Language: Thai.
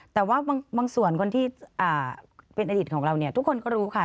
แต่ว่าบางส่วนคนที่เป็นอดีตของเราเนี่ยทุกคนก็รู้ค่ะ